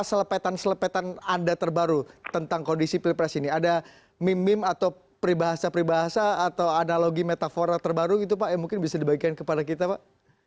selepetan selepetan anda terbaru tentang kondisi pilpres ini ada meme meme atau peribahasa peribahasa atau analogi metafora terbaru gitu pak yang mungkin bisa dibagikan kepada kita pak